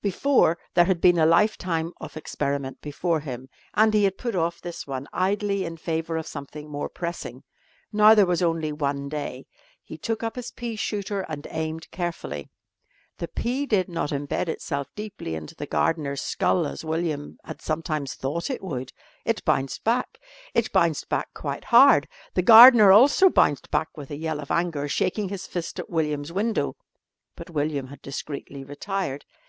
Before there had been a lifetime of experiment before him, and he had put off this one idly in favour of something more pressing. Now there was only one day. He took up his pea shooter and aimed carefully. The pea did not embed itself deeply into the gardener's skull as William had sometimes thought it would. It bounced back. It bounced back quite hard. The gardener also bounced back with a yell of anger, shaking his fist at William's window. But William had discreetly retired.